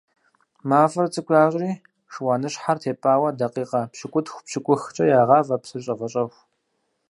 МафIэр цIыкIу ящIри шыуаныщхьэр тепIауэ дакъикъэ пщыкIутху-пщыкıухкIэ ягъавэ псыр щIэвэщIэху.